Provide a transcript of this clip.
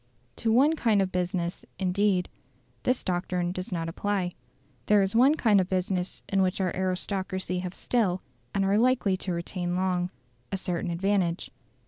To one kind of business, indeed, this doctrine does not apply. There is one kind of business in which our aristocracy have still, and are likely to retain long, a certain advantage.